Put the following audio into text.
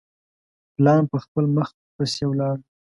پلان پر خپل مخ پسي ولاړ.